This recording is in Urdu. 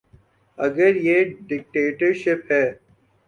اگر یہ ڈکٹیٹرشپ ہے۔